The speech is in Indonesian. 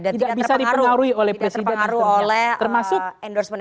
tidak bisa dipengaruhi oleh presiden